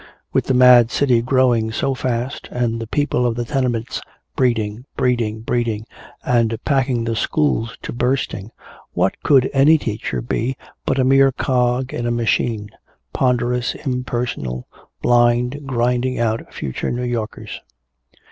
With the mad city growing so fast, and the people of the tenements breeding, breeding, breeding, and packing the schools to bursting, what could any teacher be but a mere cog in a machine, ponderous, impersonal, blind, grinding out future New Yorkers?